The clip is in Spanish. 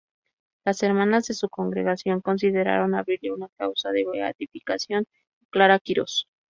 Las hermanas de su congregación consideraron abrirle una causa de beatificación a Clara Quirós.